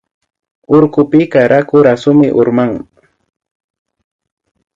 Urkupika raku rasumi urman